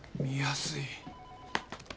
見やすい。